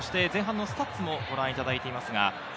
前半のスタッツもご覧いただいています。